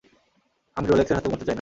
আমি রোলেক্সের হাতে মরতে চাই না।